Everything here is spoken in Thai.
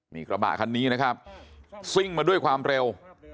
นี่กระบะคันนี้นะครับซิ่งมาด้วยความเร็ว